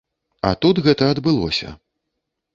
А тут гэта адбылося.